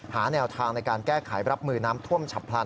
หาแนวทางในการแก้ไขรับมือน้ำท่วมฉับพลัน